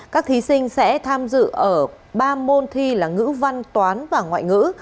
các thí sinh sẽ tham dự ở ba môn thi là ngữ văn toán và ngoại ngữ